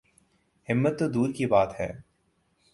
ہمت تو دور کی بات ہے۔